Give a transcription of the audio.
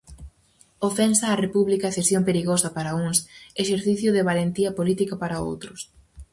Ofensa á República e cesión perigosa para uns, exercicio de valentía política para outros.